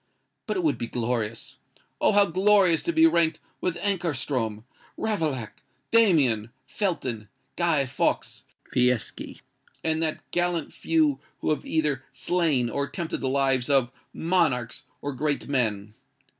But it would be glorious—oh! how glorious to be ranked with Ankarstrom, Ravaillac, Damien, Felton, Guy Fawkes, Fieschi, and that gallant few who have either slain, or attempted the lives of, monarchs or great men!